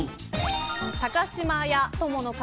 高島屋友の会